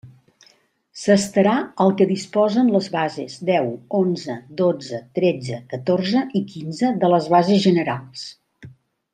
S'estarà al que disposen les bases deu, onze, dotze, tretze, catorze i quinze de les bases generals.